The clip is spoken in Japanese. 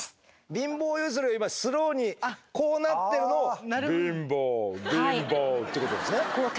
貧乏ゆすりを今スローにこうなってるのをってことですね？